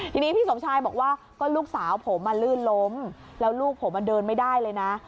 ทีนี้พี่สมชายบอกว่าก็ลูกสาวผมลื่นล้มแล้วลูกผมเดินไม่ได้เลยนะ